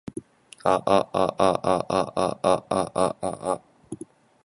あああああああああああ